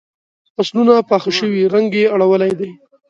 فصلونه پاخه شوي رنګ یې اړولی دی.